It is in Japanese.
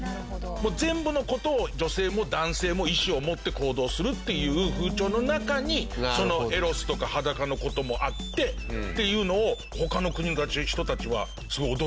全部の事を女性も男性も意志を持って行動するっていう風潮の中にそのエロスとか裸の事もあってっていうのを他の国の人たちはすごい驚いたみたい。